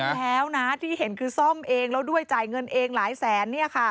แล้วนะที่เห็นคือซ่อมเองแล้วด้วยจ่ายเงินเองหลายแสน